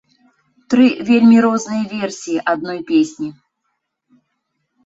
Тры вельмі розныя версіі адной песні.